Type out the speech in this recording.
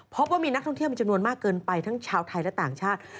พบว่ามีนักท่องเที่ยวมีจำนวนมากเกินไปทั้งชาวไทยและต่างชาติ